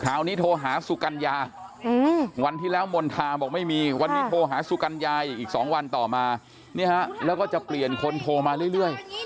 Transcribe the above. นี้โทรหาสุกัญญาวันที่แล้วมณฑาบอกไม่มีวันนี้โทรหาสุกัญญาอีก๒วันต่อมาแล้วก็จะเปลี่ยนคนโทรมาเรื่อย